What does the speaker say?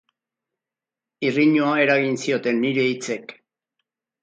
Irriñoa eragin zioten nire hitzek.